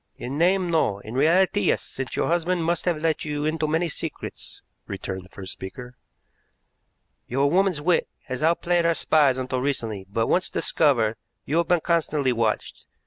"In name, no; in reality, yes; since your husband must have let you into many secrets," returned the first speaker. "Your woman's wit has outplayed our spies until recently, but, once discovered, you have been constantly watched.